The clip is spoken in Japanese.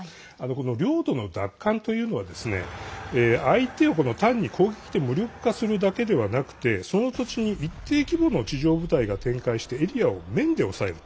領土の奪還というのは相手を単に攻撃で無力化するだけではなくてその土地に一定規模の地上部隊が展開してエリアを面で抑えると。